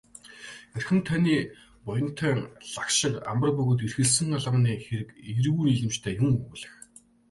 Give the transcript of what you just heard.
Эрхэм таны буянтай лагшин амар бөгөөд эрхэлсэн албаны хэрэг эергүү нийлэмжтэй юун өгүүлэх.